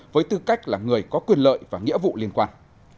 với tư cách là người có quyền lợi và nghĩa vụ liên quan